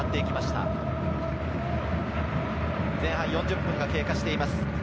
前半４０分が経過しています。